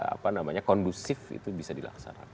apa namanya kondusif itu bisa dilaksanakan